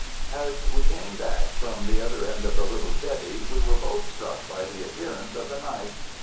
As we came back from the other end of the little jetty we were both struck by the appearance of the night.